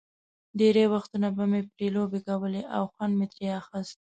ډېری وختونه به مې پرې لوبې کولې او خوند مې ترې اخیست.